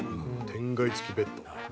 天蓋付きベッドなんや。